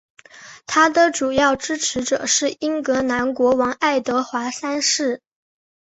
他的主要支持者是英格兰国王爱德华三世。